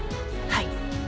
はい。